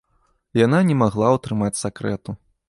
Яна не магла ўтрымаць сакрэту.